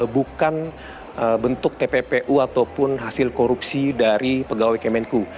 bukan bentuk tppu ataupun hasil korupsi dari pegawai kemenku